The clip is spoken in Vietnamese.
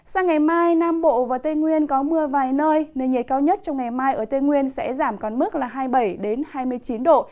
sang ngày mai nam bộ và tây nguyên có mưa vài nơi nên nhiệt cao nhất trong ngày mai ở tây nguyên sẽ giảm còn mức là hai mươi bảy hai mươi chín độ